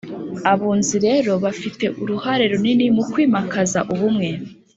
abunzi rero bafite uruhare runini mu kwimakaza ubumwe